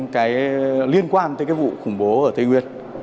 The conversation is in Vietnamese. cái liên quan tới cái vụ khủng bố ở tây nguyên